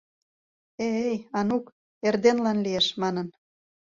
— Э-эй, Анук, эрденлан лиеш, — манын.